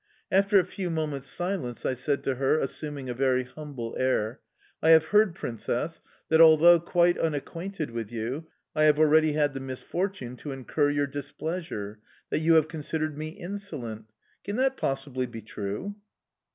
After a few moments' silence I said to her, assuming a very humble air: "I have heard, Princess, that although quite unacquainted with you, I have already had the misfortune to incur your displeasure... that you have considered me insolent. Can that possibly true?"